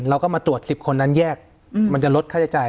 เราก็มาตรวจ๑๐คนนั้นแยกมันจะลดค่าใช้จ่าย